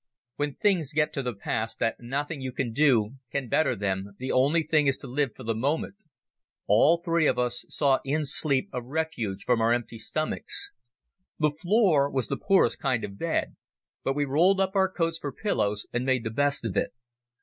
When things get to the pass that nothing you can do can better them, the only thing is to live for the moment. All three of us sought in sleep a refuge from our empty stomachs. The floor was the poorest kind of bed, but we rolled up our coats for pillows and made the best of it.